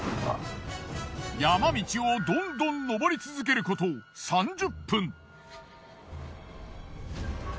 山道をどんどん上り続けること３０分。